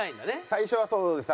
最初はそうです。